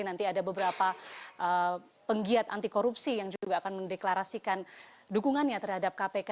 nanti ada beberapa penggiat anti korupsi yang juga akan mendeklarasikan dukungannya terhadap kpk